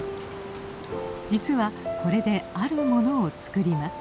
実はこれであるものを作ります。